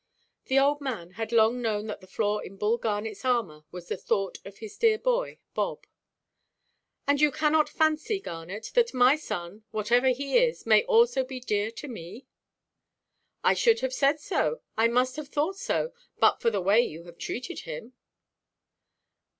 The old man long had known that the flaw in Bull Garnetʼs armour was the thought of his dear boy, Bob. "And can you not fancy, Garnet, that my son, whatever he is, may also be dear to me?" "I should have said so, I must have thought so, but for the way you have treated him."